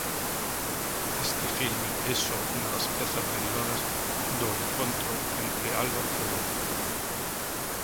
Este filme é só unha das pezas derivadas do encontro entre Álvarez e Leiro.